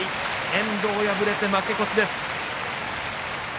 遠藤敗れて負け越しです。